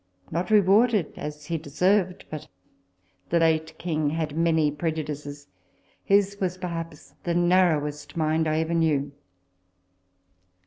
Not rewarded as he deserved ; but the late King had many prejudices : his was perhaps the narrowest mind I ever knew.